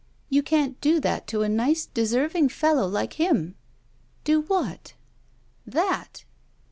*'You can't do that to a nice, deserving fellow like him!" "Do what?" "That!"